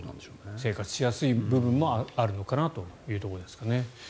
生活しやすい部分もあるのかなというところですね。